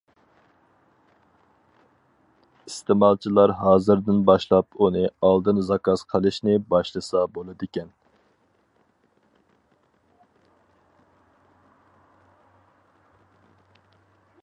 ئىستېمالچىلار ھازىردىن باشلاپ ئۇنى ئالدىن زاكاز قىلىشنى باشلىسا بولىدىكەن.